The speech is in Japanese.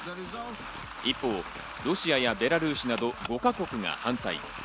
一方、ロシアやベラルーシなど５か国が反対。